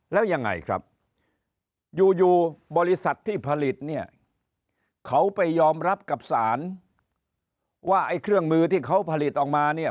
แล้วยังไงครับอยู่อยู่บริษัทที่ผลิตเนี่ยเขาไปยอมรับกับสารว่าไอ้เครื่องมือที่เขาผลิตออกมาเนี่ย